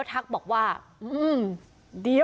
วิทยาลัยศาสตรี